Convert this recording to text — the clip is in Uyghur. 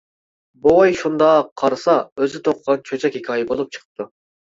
بوۋاي شۇنداق قارىسا ئۆزى توقۇغان چۆچەك ھېكايە بولۇپ چىقىپتۇ.